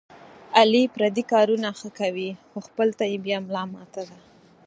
علي پردي کارونه ښه کوي، خو خپل ته یې بیا ملا ماته ده.